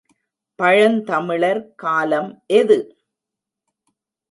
பழந்தமிழர் காலம் எது?